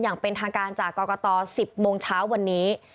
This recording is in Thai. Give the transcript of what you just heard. อย่างเป็นทางการจากกรกต๑๐โมงเช้าวันนี้